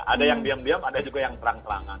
ada yang diam diam ada juga yang terang terangan